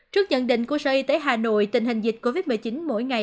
trước nhận định của sở y tế hà nội tình hình dịch covid một mươi chín mỗi ngày